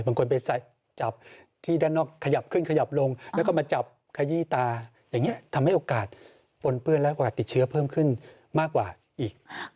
บางคนไปจับที่ด้านนอกขยับขึ้นขยับลงแล้วก็มาจับขยี้ตาอย่างนี้ทำให้โอกาสปนเปื้อนและกว่าติดเชื้อเพิ่มขึ้นมากกว่าอีก